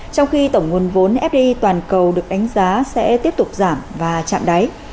trong khi tổng nguồn vốn fdi toàn cầu được đánh giá sẽ tiếp tục giảm và chạm đáy